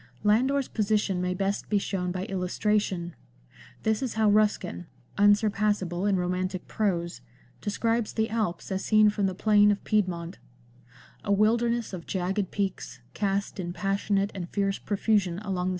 Landor's position may best be shown by illustration. This is how Ruskin — unsurpassable in romantic prose — describes the Alps as seen from the plain of Piedmont — "A wilderness of jagged peaks, cast in passionate and fierce profusion along the XX LANDOR.